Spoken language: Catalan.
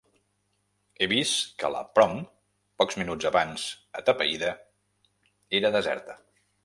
He vist que ‘la Prom’, pocs minuts abans atapeïda, era deserta.